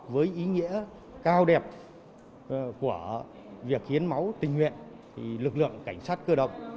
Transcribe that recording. với ý nghĩa cao đẹp của việc hiến máu tình nguyện lực lượng cảnh sát cơ động